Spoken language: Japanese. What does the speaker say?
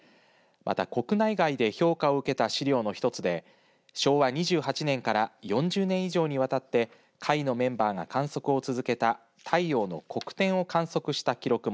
また国内外で評価を受けた資料の一つで昭和２８年から４０年以上にわたって会のメンバーが観測を続けた太陽の黒点を観測した記録も